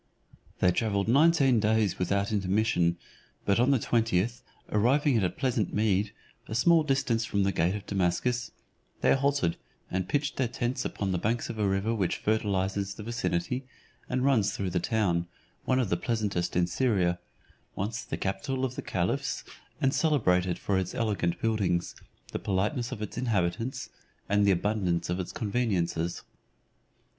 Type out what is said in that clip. They travelled nineteen days without intermission; but on the twentieth, arriving at a pleasant mead, a small distance from the gate of Damascus, they halted, and pitched their tents upon the banks of a river which fertilizes the vicinity, and runs through the town, one of the pleasantest in Syria, once the capital of the caliphs; and celebrated for its elegant buildings, the politeness of its inhabitants, and the abundance of its conveniences.